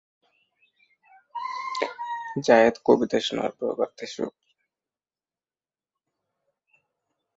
যায়েদ কবিতা শোনার পর কাঁদতে শুরু করলেন।